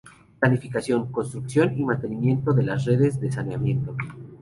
Planificación, construcción y mantenimiento de las redes de saneamiento.